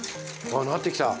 あなってきた。